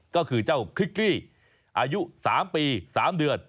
ก็คือเจ้าคริกกี้อายุ๓ปี๓เดือน